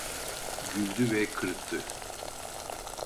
Güldü ve kırıttı.